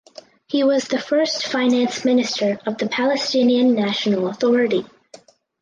He was the first Finance Minister of the Palestinian National Authority.